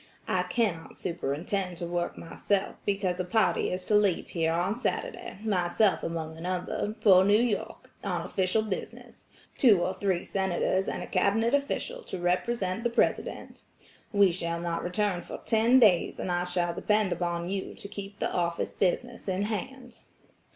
I cannot superintend to work myself because a party is to leave here on Saturday, myself among the number, for New York, on official business–two or three Senators and a Cabinet official to represent the President. We shall not return for ten days and I shall depend upon you to keep the office business in hand."